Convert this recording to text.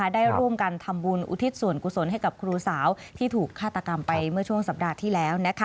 ได้ร่วมกันทำบุญอุทิศส่วนกุศลให้กับครูสาวที่ถูกฆาตกรรมไปเมื่อช่วงสัปดาห์ที่แล้ว